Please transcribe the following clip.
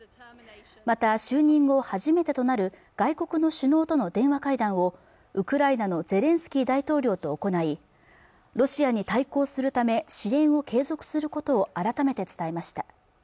また就任後初めてとなる外国の首脳との電話会談をウクライナのゼレンスキー大統領と行いロシアに対抗するため支援を継続することを改めて伝えました